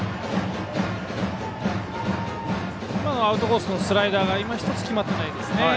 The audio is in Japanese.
アウトコースのスライダー今ひとつ決まってないですね。